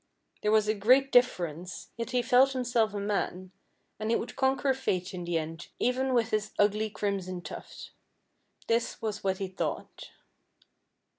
There was a great difference, yet he felt himself a man, and he would conquer fate in the end, even with his ugly Crimson Tuft. This was what he thought.